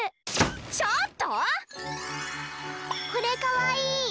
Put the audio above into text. ちょっと⁉これかわいい！